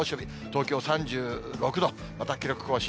東京３６度、また記録更新。